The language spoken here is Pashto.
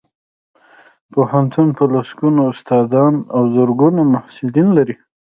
پوهنتون په لسګونو استادان او زرګونه محصلین لري